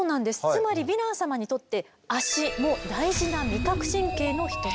つまりヴィラン様にとって足も大事な味覚神経の一つ。